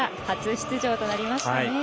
初出場となりましたね。